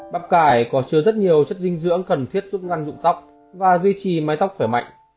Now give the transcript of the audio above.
bắp cải có chứa rất nhiều chất dinh dưỡng cần thiết giúp ngăn dụng tóc và duy trì mái tóc khỏe mạnh